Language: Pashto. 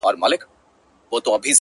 نه یې پای ته رسېدل اوږده بحثونه؛